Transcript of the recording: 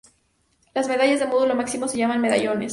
Las medallas de módulo máximo se llaman "medallones".